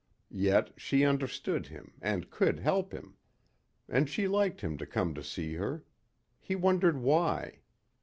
Yet she understood him and could help him. And she liked him to come to see her. He wondered why.